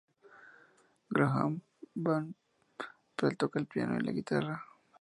Graham Van Pelt toca el piano y la guitarra.